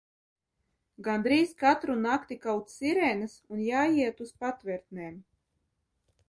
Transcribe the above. Gandrīz katru nakti kauc sirēnas un jāiet uz patvertnēm.